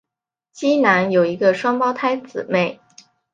基南有一个双胞胎姊妹。